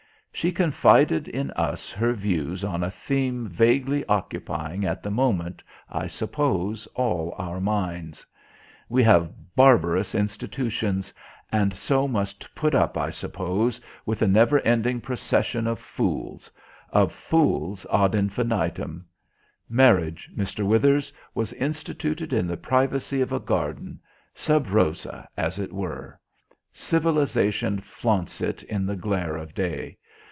She confided in us her views on a theme vaguely occupying at the moment, I suppose, all our minds. "We have barbarous institutions, and so must put up, I suppose, with a never ending procession of fools of fools ad infinitum. Marriage, Mr. Withers, was instituted in the privacy of a garden; sub rosa, as it were. Civilization flaunts it in the glare of day.